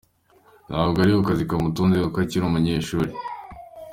Ntabwo ari akazi kamutunze kuko akiri umunyeshuri.